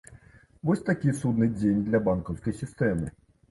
Вось такі судны дзень для банкаўскай сістэмы.